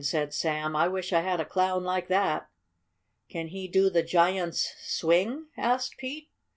said Sam. "I wish I had a Clown like that." "Can he do the giant's swing?" asked Pete.